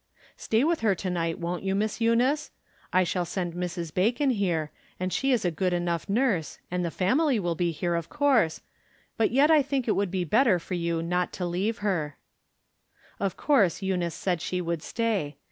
" Stay with her to night, won't you, Miss Eu nice ? I shall send Mrs. Bacon here, and she is a good enough nurse, and the family will be here, of course, but yet I think it would be better for you not to leave her." ^ 191 192 From Different Standpoints. Of course Eunice said she would stay.